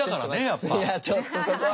いやちょっとそこは。